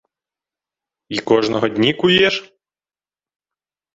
— Й кождого дні куєш?